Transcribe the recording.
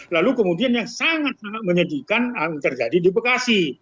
lalu kemudian yang sangat sangat menyedihkan terjadi di bekasi